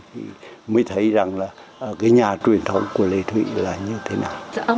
thì mới thấy rằng là cái nhà truyền thống của lê thủy là như thế nào